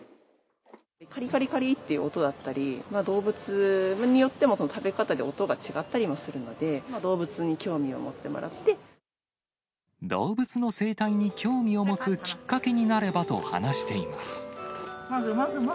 かりかりかりって音だったり、動物によっても食べ方で音が違ったりするので、動物に興味を持っ動物の生態に興味を持つきっかけになればと話しています。